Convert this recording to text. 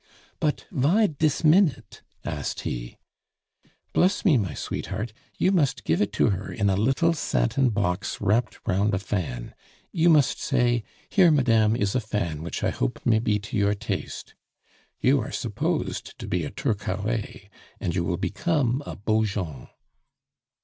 "But vy dis minute?" asked he. "Bless me, my sweetheart, you must give it to her in a little satin box wrapped round a fan. You must say, 'Here, madame, is a fan which I hope may be to your taste.' You are supposed to be a Turcaret, and you will become a Beaujon."